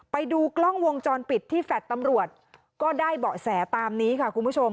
ไปดูกล้องวงจรปิดที่แฟลต์ตำรวจก็ได้เบาะแสตามนี้ค่ะคุณผู้ชม